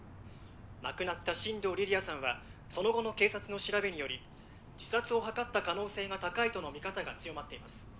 亡くなった新堂梨里杏さんはその後の警察の調べにより自殺を図った可能性が高いとの見方が強まっています。